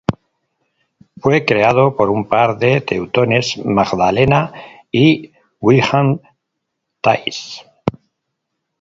Fue creado por un par de teutones Magdalena y Wilhelm Thais.